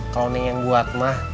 kalau ning yang buat mah